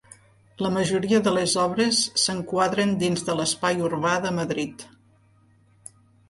La majoria de les obres s'enquadren dins de l'espai urbà de Madrid.